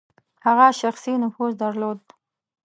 هغه شخصي نفوذ درلود.